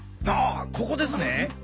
ああここですね！